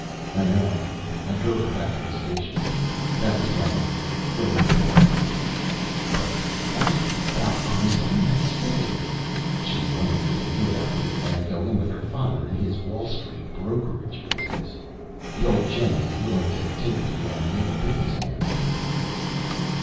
"I know. I drove her back to the station. That was when when we quarreled." "But why? About Einstein? That's silly." "She wanted me to give it up here, and go in with her father in his Wall Street brokerage business. The old gent is willing to take me, and make a business man of me."